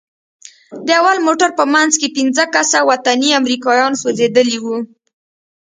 د اول موټر په منځ کښې پنځه کسه وطني امريکايان سوځېدلي وو.